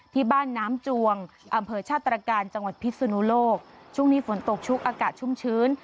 ที่บ้านน้ำจวงอำเภอชาติตรการจังหวัดพิศนุโลกช่วงนี้ฝนตกชุกอากาศชุ่มชื้น